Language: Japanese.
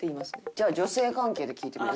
じゃあ女性関係で聞いてみる？